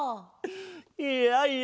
いやいや